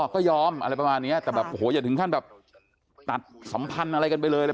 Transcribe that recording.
ก็ยอมอะไรประมาณนี้แต่แบบโอ้โหอย่าถึงขั้นแบบตัดสัมพันธ์อะไรกันไปเลย